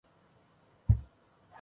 Malo znanja je nevarna stvar.